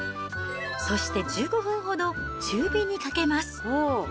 そして１５分ほど中火にかけます。